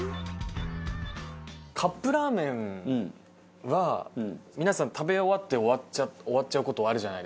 カップラーメンは皆さん食べ終わって終わっちゃう事あるじゃないですか。